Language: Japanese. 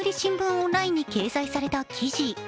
オンラインに掲載された記事。